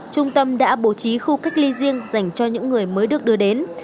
trung tâm đã bố trí khu cách ly riêng dành cho những người mới được đưa đến